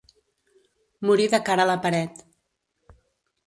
Morir de cara a la paret.